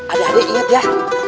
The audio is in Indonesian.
adek adek ingat ya